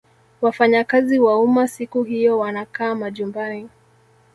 wafanyakazi wa umma siku hiyo wanakaa majumbani